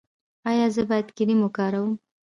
ایا زه باید کریم وکاروم؟